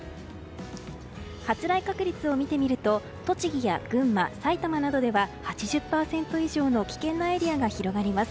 発雷確率を見てみると栃木や群馬、埼玉などでは８０％以上の危険なエリアが広がります。